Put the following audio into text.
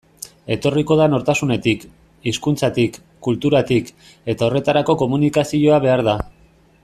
Etorriko da nortasunetik, hizkuntzatik, kulturatik, eta horretarako komunikazioa behar da.